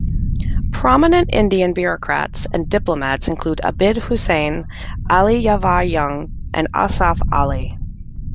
Prominent Indian bureaucrats and diplomats include Abid Hussain, Ali Yavar Jung and Asaf Ali.